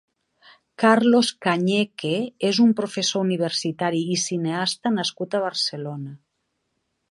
Carlos Cañeque és un professor universitari i cineasta nascut a Barcelona.